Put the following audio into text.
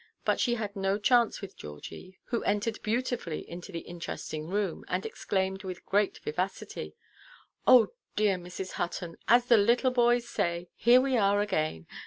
But she had no chance with Georgie, who entered beautifully into the interesting room, and exclaimed with great vivacity— "Oh, dear Mrs. Hutton, as the little boys say, 'here we are again.